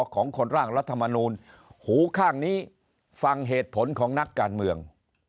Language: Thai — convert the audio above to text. ของคนร่างรัฐมนูลหูข้างนี้ฟังเหตุผลของนักการเมือง